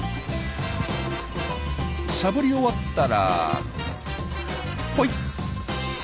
しゃぶり終わったらぽいっ。